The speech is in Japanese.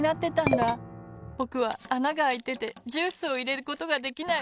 ぼくはあながあいててジュースをいれることができない。